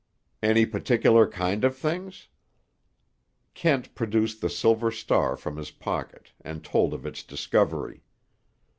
"Any particular kind of things?" Kent produced the silver star from his pocket, and told of its discovery.